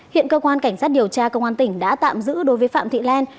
hiện cơ quan cảnh sát điều tra công an tỉnh đã tạm giữ đối với phạm thị len